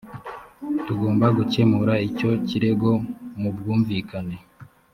tugomba gukemura icyo kirego mu bwumvikane